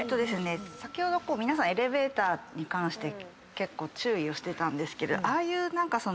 先ほど皆さんエレベーターに関して結構注意をしてたんですけどああいう何かその。